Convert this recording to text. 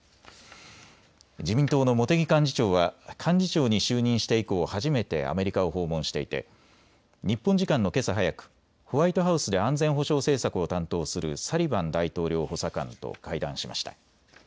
自民党の茂木幹事長は幹事長に就任して以降、初めてアメリカを訪問していて日本時間のけさ早くホワイトハウスで安全保障政策を担当するサリバン大統領補佐官と会談しました。